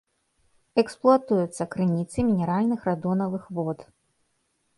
Эксплуатуюцца крыніцы мінеральных радонавых вод.